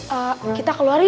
apa apa kita keluarin